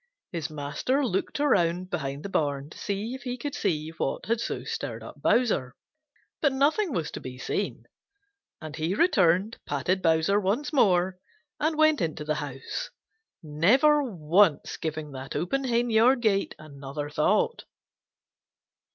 His master looked around behind the barn to see if he could see what had so stirred up Bowser, but nothing was to be seen, and he returned, patted Bowser once more, and went into the house, never once giving that open henyard gate another thought.